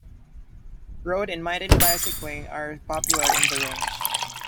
Road and mountain bicycling are popular in the range.